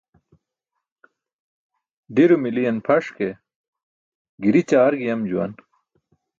Ḍiro miliyan pʰaş ke giri ćaar giyam juwan.